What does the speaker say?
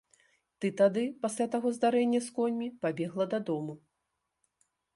Ты тады, пасля таго здарэння з коньмі, пабегла дадому.